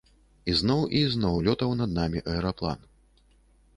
Ізноў і ізноў лётаў над намі аэраплан.